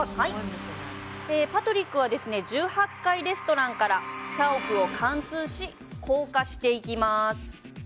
パトリックは１８階レストランから社屋を貫通し降下していきます。